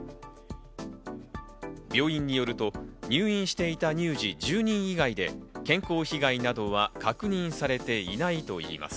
病院によると、入院していた乳児１０人以外で健康被害などは確認されていないといいます。